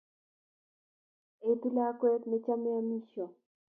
Etu lakwet ne chamei amisyo.